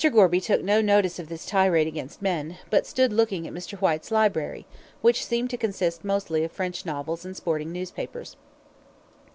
Gorby took no notice of this tirade against men, but stood looking at Mr. Whyte's library, which seemed to consist mostly of French novels and sporting newspapers.